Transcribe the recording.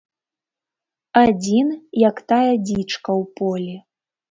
Адзін, як тая дзічка ў полі.